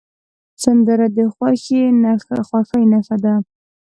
سندره د خوښۍ نښه ده